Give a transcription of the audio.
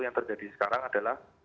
yang terjadi sekarang adalah